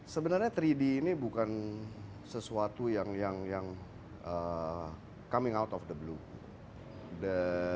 sebenarnya tiga d ini bukan sesuatu yang coming out of the blue